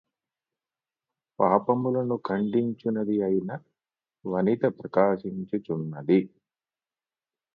పాపములను ఖండించునదియైన వనిత ప్రకాశించుచున్నది